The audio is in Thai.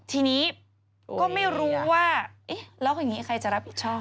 ทีนี้ก็ไม่รู้ว่าเอ๊ะแล้วอย่างนี้ใครจะรับผิดชอบ